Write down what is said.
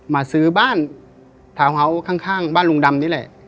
มาซื้อบ้านทาวน์เฮาส์ข้างบ้านลุงดำนี่แหละ